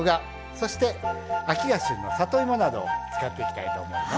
そして、秋が旬の里芋などを使っていきたいと思います。